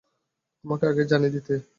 আমাকে আগেই জানিয়ে দিতে।